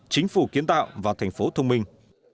chính phủ kiến tạo và thành phố thông minh